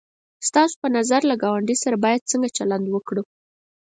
ستاسو په نظر له گاونډي سره باید څنگه چلند وکړو؟